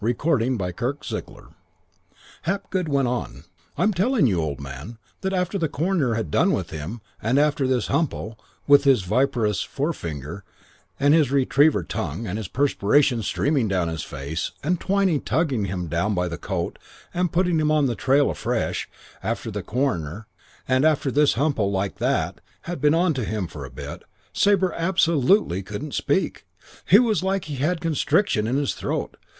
CHAPTER VI I Hapgood went on: "I'm telling you, old man, that after the coroner had done with him, and after this Humpo, with his viprous forefinger, and his retriever tongue, and his perspiration streaming down his face, and Twyning tugging him down by the coat and putting him on the trail afresh after the coroner, and after this Humpo like that, had been on to him for a bit, Sabre absolutely couldn't speak. He was like he had a constriction in his throat.